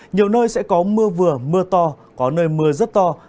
nhiều nơi sẽ có mưa vừa mưa to có nơi mưa rất to